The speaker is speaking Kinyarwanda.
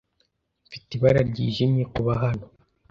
Mfite ibara ryijimye kuba hano.